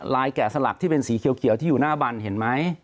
แกะสลักที่เป็นสีเขียวที่อยู่หน้าบันเห็นไหม